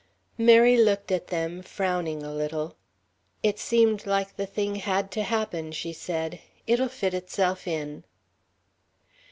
Mary looked at them, frowning a little. "It seemed like the thing had to happen," she said; "it'll fit itself in."